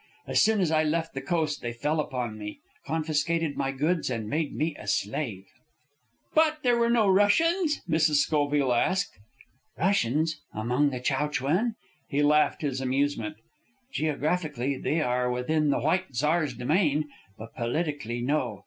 As soon as I left the coast they fell upon me, confiscated my goods, and made me a slave." "But were there no Russians?" Mrs. Schoville asked. "Russians? Among the Chow Chuen?" He laughed his amusement. "Geographically, they are within the White Tsar's domain; but politically, no.